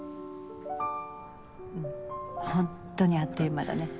うんほんとにあっという間だね。